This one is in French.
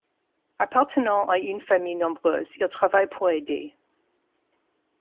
Appartenant à une famille nombreuse, il travaille pour aider.